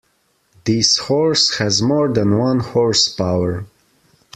This horse has more than one horse power.